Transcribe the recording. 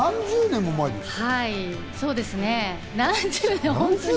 何十年前ですか？